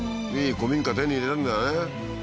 古民家手に入れたんだね